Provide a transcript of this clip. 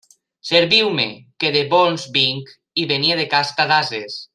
Serviu-me, que de bons vinc; i venia de casta d'ases.